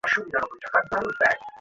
না, কিন্তু এটা আমাদের কিছুক্ষণ সময় দিবে।